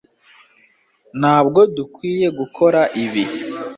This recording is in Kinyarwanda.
Ntabwo dukwiye gukora ibi